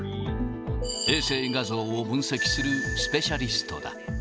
衛星画像を分析するスペシャリストだ。